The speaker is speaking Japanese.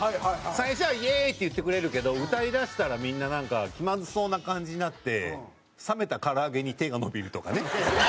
最初は「イエーイ！」って言ってくれるけど歌いだしたらみんななんか気まずそうな感じになって冷めた唐揚げに手が伸びるとかね。